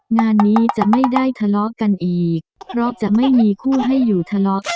งานนี้จะไม่ได้ทะเลาะกันอีกเพราะจะไม่มีคู่ให้อยู่ทะเลาะ